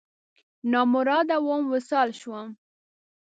نامراده وم، وصال شوم